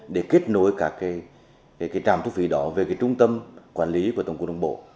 để kết nối cả cái cái trạm thu phí đó về cái trung tâm quản lý của tổng cụ đông bộ